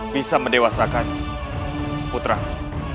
bisa mendewasakan putraku